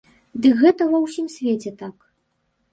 Дык гэта ва ўсім свеце так.